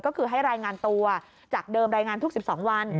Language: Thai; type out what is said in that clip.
ก็คือให้รายงานตัวจากเดิมรายงานทุก๑๒วัน